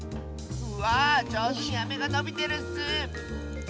わあじょうずにアメがのびてるッス！